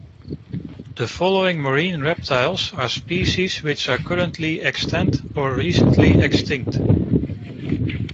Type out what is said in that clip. The following marine reptiles are species which are currently extant or recently extinct.